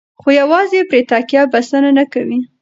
خو یوازې پرې تکیه بسنه نه کوي.